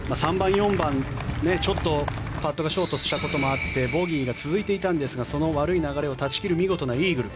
３番、４番ちょっとパットがショートしたこともあってボギーが続いていたんですがその悪い流れを断ち切る見事なイーグル。